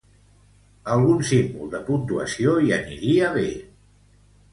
Algun símbol de puntuació hi aniria bé!